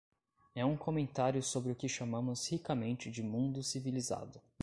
É um comentário sobre o que chamamos ricamente de mundo civilizado.